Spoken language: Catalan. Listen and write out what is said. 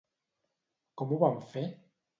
Com ho van fer?